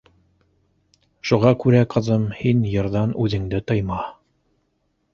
Шуға күрә, ҡыҙым, һин йырҙан үҙеңде тыйма.